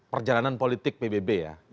perjalanan politik pbb ya